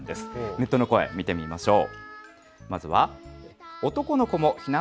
ネットの声、見てみましょう。